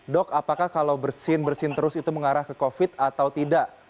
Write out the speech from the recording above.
dok apakah kalau bersin bersin terus itu mengarah ke covid atau tidak